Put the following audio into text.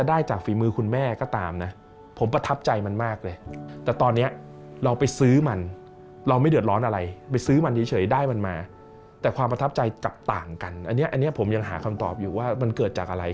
อันนี้ผมยังหาคำตอบอยู่ว่ามันเกิดจากอะไร